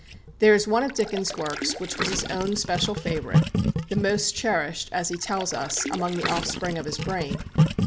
There is one of Dickens' works which was his own special favourite, the most cherished, as he tells us, among the offspring of his brain.